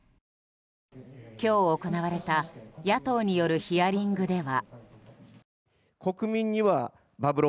今日、行われた野党によるヒアリングでは。